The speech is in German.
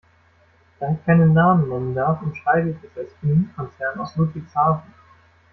Da ich keine Namen nennen darf, umschreibe ich es als Chemiekonzern aus Ludwigshafen.